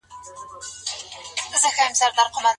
حريت د منځګړي لپاره ولي اړين دی؟